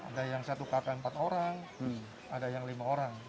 ada yang satu kp empat orang ada yang lima orang